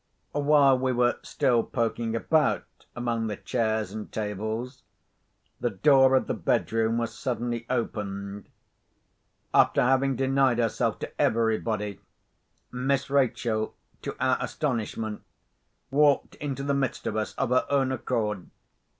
While we were still poking about among the chairs and tables, the door of the bedroom was suddenly opened. After having denied herself to everybody, Miss Rachel, to our astonishment, walked into the midst of us of her own accord.